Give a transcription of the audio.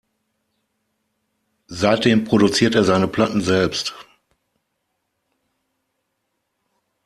Seitdem produziert er seine Platten selbst.